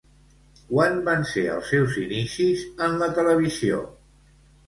Quan van ser els seus inicis en la televisió?